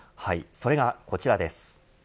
それがこちらです。